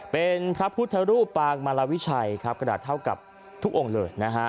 เป็นพระพุทธรูปาอังมารวิไชยกระดาษเหล่าทุกองค์เลย